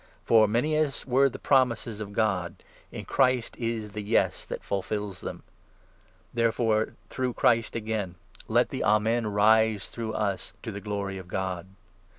For, many as were the promises of 20 God, in Christ is the ' Yes ' that fulfils them. Therefore, through Christ again, let the 'Amen 'rise, through us, totheglory of God.